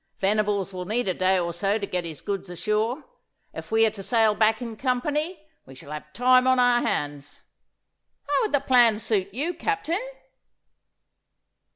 Venables will need a day or so to get his goods ashore. If we are to sail back in company we shall have time on our hands. How would the plan suit you, Captain?